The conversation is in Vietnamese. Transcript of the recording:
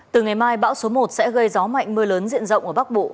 từ ngày mai bão số một sẽ gây gió mạnh mưa lớn diện rộng ở bắc bộ